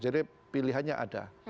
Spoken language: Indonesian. jadi pilihannya ada